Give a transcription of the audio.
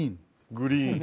グリーン。